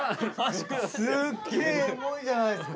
すっげえエモいじゃないですか。